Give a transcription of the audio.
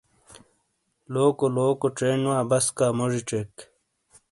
لوکو لوکو چینڈ وا بسکا موجی چیک۔